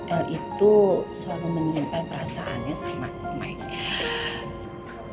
el itu selalu menyimpan perasaannya sama mike